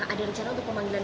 ada rencana untuk memanggilnya